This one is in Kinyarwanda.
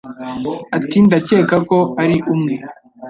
Ati Ndakeka ko ari umwe